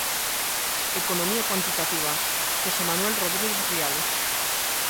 "Economía Cuantitativa". José Manuel Rodríguez Rial.